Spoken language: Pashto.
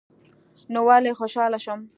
نو ولي خوشحاله شم